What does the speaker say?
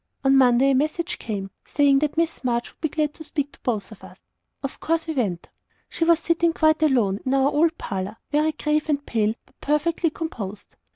On Monday a message came, saying that Miss March would be glad to speak with us both. Of course we went. She was sitting quite alone, in our old parlour, very grave and pale, but perfectly composed.